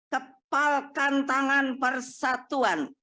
kepalkan tangan persatuan